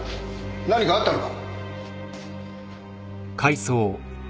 何かあったのか？